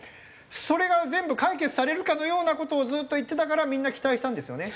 それが全部解決されるかのような事をずっと言ってたからみんな期待したんですよね。